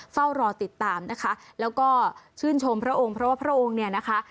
เฝ้ารอติดตามนะคะแล้วก็ชื่นชมพระองค์เพราะว่าพระองค์เนี่ยนะคะ